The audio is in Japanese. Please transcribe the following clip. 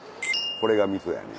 これがみそやね。